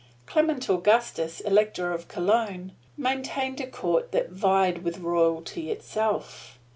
Clement Augustus, Elector of Cologne, maintained a court that vied with royalty itself.